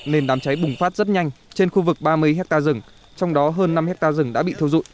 nên đám cháy bùng phát rất nhanh trên khu vực ba mươi hectare rừng trong đó hơn năm hectare rừng đã bị thiêu dụi